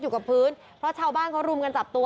อยู่กับพื้นเพราะชาวบ้านเขารุมกันจับตัว